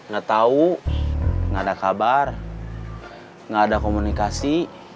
gak tahu gak ada kabar gak ada komunikasi